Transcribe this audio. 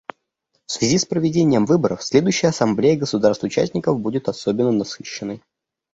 В связи с проведением выборов следующая Ассамблея государств-участников будет особенно насыщенной.